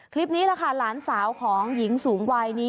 คลิปนี้แหละค่ะหลานสาวของหญิงสูงวัยนี้